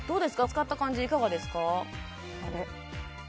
使った感じいかがですか？